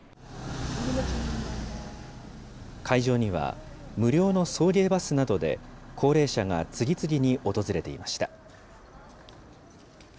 会場には、無料の送迎バスなどで高齢者が次々に訪れていました。